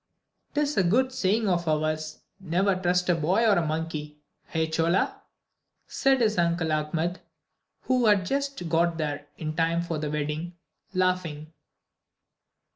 "'Tis a good saying of ours 'Never trust a boy or a monkey.' Eh, Chola?" said his Uncle Achmed, who had just got there in time for the wedding, laughing.